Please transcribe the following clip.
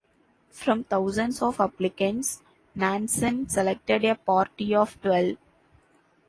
From thousands of applicants, Nansen selected a party of twelve.